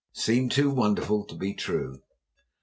It seemed too wonderful to be true!